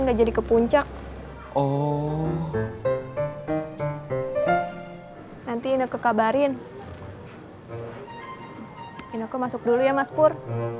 nggak jadi ke puncak oh nanti ineke kabarin ineke masuk dulu ya mas pur